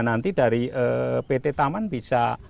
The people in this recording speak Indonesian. nanti dari pt taman bisa